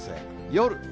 夜。